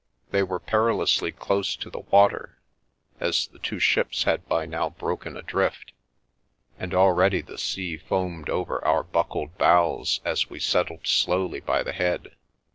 They were perilously close to the water, as the two ships had by now broken adrift, and already the sea foamed over our buckled bows as we settled slowly by the head.